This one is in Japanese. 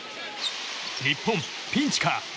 日本ピンチか。